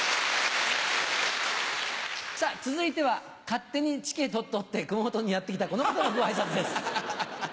さあ、続いては、勝手にチケットを取って熊本にやって来た、この方のごあいさつです。